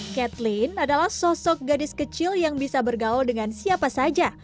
catlin adalah sosok gadis kecil yang bisa bergaul dengan siapa saja